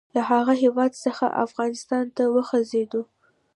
له هغه هیواد څخه افغانستان ته وخوځېدی.